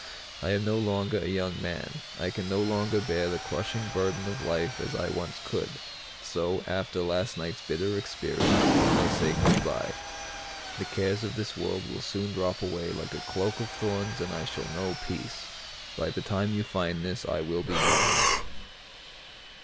I am no longer a young man. I can no longer bear the crushing burden of life as I once could. So, after last night's bitter experience, I say good by. The cares of this world will soon drop away like a cloak of thorns and I shall know peace. By the time you find this, I will be gone.'"